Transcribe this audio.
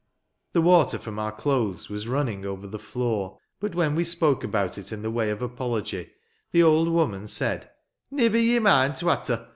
The water from our clothes was running over the floor ; but when we spoke about it in the way of apology, the old woman said, " Nivver ye mind t' watter.